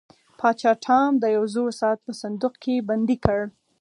پاچا ټام د یو زوړ ساعت په صندوق کې بندي کړ.